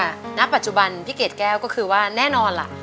ณปัจจุบันพี่เกดแก้วก็คือว่าแน่นอนล่ะ